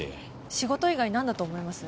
仕事以外何だと思います？